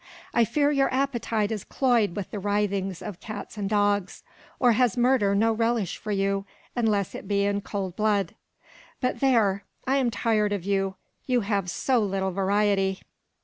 "I fear your appetite is cloyed with the writhings of cats and dogs. Or has murder no relish for you, unless it be in cold blood? But there, I am tired of you: you have so little variety.